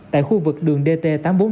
tại khu vực đường dt tám trăm bốn mươi